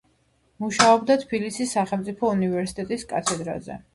მუშაობდა თბილისის სახელმწიფო უნივერსიტეტის კათედრაზე.